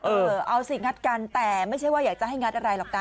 เออเอาสิงัดกันแต่ไม่ใช่ว่าอยากจะให้งัดอะไรหรอกนะ